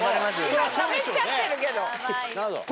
今しゃべっちゃってるけど。